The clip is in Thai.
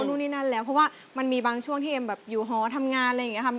นู่นนี่นั่นแล้วเพราะว่ามันมีบางช่วงที่เอ็มแบบอยู่หอทำงานอะไรอย่างนี้ค่ะ